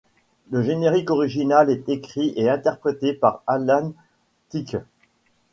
Le générique original est écrit et interprété par Alan Thicke.